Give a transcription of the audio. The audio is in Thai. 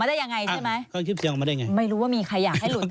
ไม่รู้ว่ามีใครอยากให้หลุด